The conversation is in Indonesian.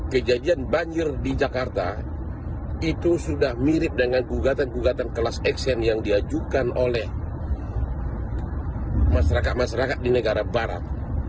kejadian banjir di jakarta itu sudah mirip dengan gugatan gugatan kelas eksen yang diajukan oleh masyarakat masyarakat di negara barat